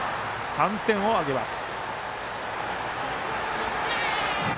３点を挙げます。